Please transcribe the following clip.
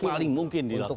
yang paling mungkin dilakukan